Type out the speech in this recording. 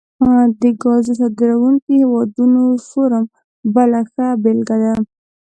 د ګازو صادرونکو هیوادونو فورم بله ښه بیلګه ده